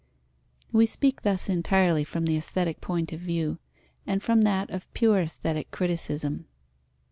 We speak thus entirely from the aesthetic point of view, and from that of pure aesthetic criticism.